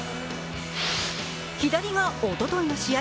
左がおとといの試合。